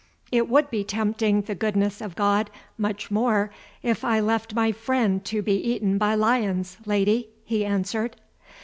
"It would be tempting the goodness of God much more if I left my friend to be eaten by lions, Lady," he answered.